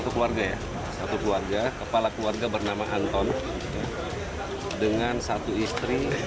keluarganya satu keluarga ya kepala keluarga bernama anton dengan satu istri